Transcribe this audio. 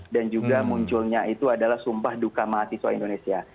dan juga munculnya itu adalah sumpah duka mahasiswa indonesia